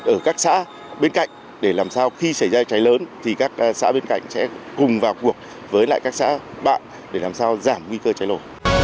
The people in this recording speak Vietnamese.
ở các xã bên cạnh để làm sao khi xảy ra cháy lớn thì các xã bên cạnh sẽ cùng vào cuộc với lại các xã bạn để làm sao giảm nguy cơ cháy nổ